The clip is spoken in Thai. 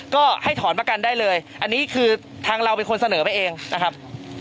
ก็ให้ถอนประกันได้เลยอันนี้คือทางเราเป็นคนเสนอไปเองนะครับ